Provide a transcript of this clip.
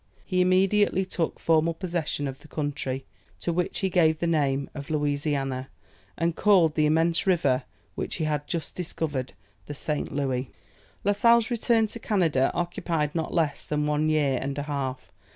He immediately took formal possession of the country, to which he gave the name of Louisiana, and called the immense river which he had just discovered the St. Louis. La Sale's return to Canada occupied not less than one year and a half.